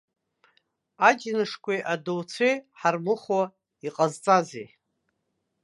Аџьнышқәеи адоуцәеи ҳармыхәо иҟазҵазеи?